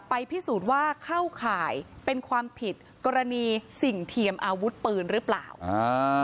พิสูจน์ว่าเข้าข่ายเป็นความผิดกรณีสิ่งเทียมอาวุธปืนหรือเปล่าอ่า